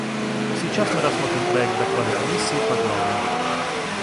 Сейчас мы рассмотрим проект доклада Комиссии по главам.